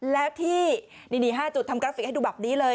แล้วที่นี่๕จุดทำกราฟิกให้ดูแบบนี้เลย